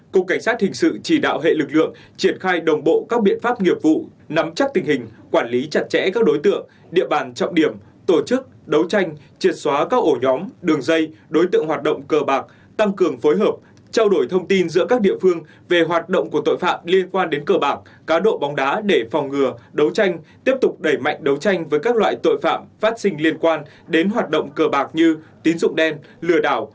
hai cục cảnh sát hình sự chỉ đạo hệ lực lượng triển khai đồng bộ các biện pháp nghiệp vụ nắm chắc tình hình quản lý chặt chẽ các đối tượng địa bàn trọng điểm tổ chức đấu tranh triệt xóa các ổ nhóm đường dây đối tượng hoạt động cờ bạc tăng cường phối hợp trao đổi thông tin giữa các địa phương về hoạt động của tội phạm liên quan đến cờ bạc cá độ bóng đá để phòng ngừa đấu tranh tiếp tục đẩy mạnh đấu tranh với các loại tội phạm phát sinh liên quan đến hoạt động cờ bạc như tín dụng đen l